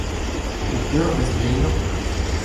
Pet eurvezh bleinañ ?